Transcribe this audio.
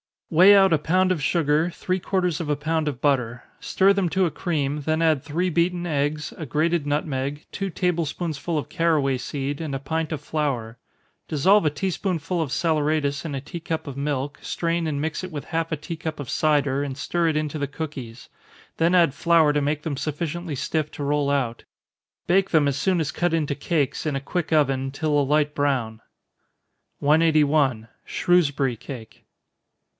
_ Weigh out a pound of sugar, three quarters of a pound of butter stir them to a cream, then add three beaten eggs, a grated nutmeg, two table spoonsful of caraway seed, and a pint of flour. Dissolve a tea spoonful of saleratus in a tea cup of milk, strain and mix it with half a tea cup of cider, and stir it into the cookies then add flour to make them sufficiently stiff to roll out. Bake them as soon as cut into cakes, in a quick oven, till a light brown. 181. _Shrewsbury Cake.